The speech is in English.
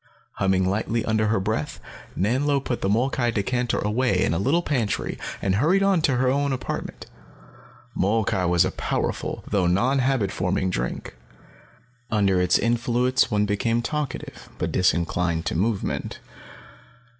Humming lightly under her breath, Nanlo put the molkai decanter away in a little pantry and hurried on to her own apartment. Molkai was a powerful, though non habit forming drink. Under its influence one became talkative, but disinclined to movement.